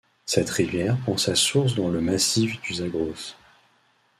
Cette rivière prend sa source dans le massif du Zagros.